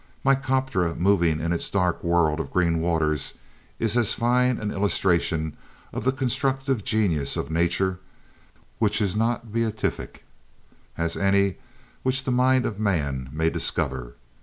Mycteroperca moving in its dark world of green waters is as fine an illustration of the constructive genius of nature, which is not beatific, as any which the mind of man may discover.